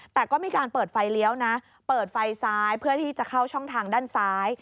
แต่ก็มีการเปิดไฟเลี้ยวนะเปิดไฟซ้ายเพื่อที่จะเข้าช่องทางด้านซ้าย